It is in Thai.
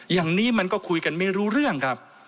อย่างนี้มันก็คุยกันไม่รู้เรื่องครับ